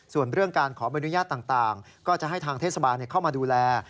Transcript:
ส่วนเรื่องการขอใบอนุญาตต่างก็จะให้ทางเทศบาลเข้ามาดูแล